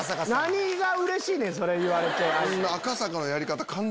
何がうれしいねんそれ言われて。